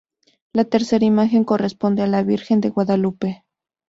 La tercer imagen corresponde a la Virgen de Guadalupe.